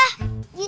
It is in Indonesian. gitu dong baik